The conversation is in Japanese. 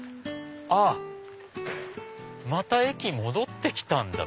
あっまた駅戻って来たんだ。